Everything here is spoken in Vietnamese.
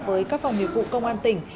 với các phòng hiệu vụ công an tỉnh